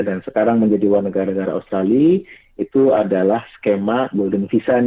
sekarang menjadi warga negara australia itu adalah skema golden design